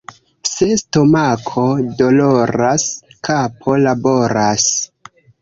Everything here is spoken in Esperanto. Se stomako doloras, kapo laboras.